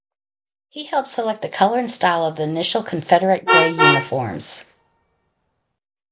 He helped select the color and style of the initial Confederate gray uniforms.